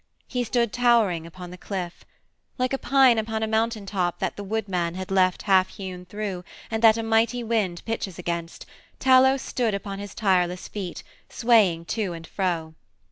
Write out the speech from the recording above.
He stood towering upon the cliff. Like a pine upon a mountaintop that the woodman had left half hewn through and that a mighty wind pitches against, Talos stood upon his tireless feet, swaying to and fro.